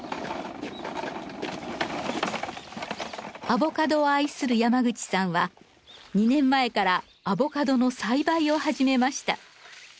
アボカドを愛する山口さんは２年前からアボカドの栽培を始めました。